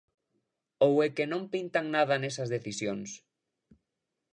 ¿Ou é que non pintan nada nesas decisións?